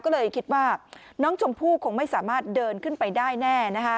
ก็เลยคิดว่าน้องชมพู่คงไม่สามารถเดินขึ้นไปได้แน่